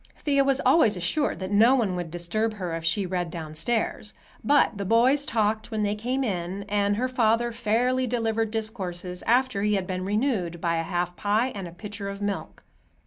Thea was always assured that no one would disturb her if she read downstairs, but the boys talked when they came in, and her father fairly delivered discourses after he had been renewed by half a pie and a pitcher of milk.